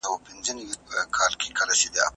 ناروغان ژر درملنه ترلاسه کوي.